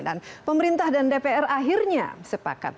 dan pemerintah dan dpr akhirnya sepakat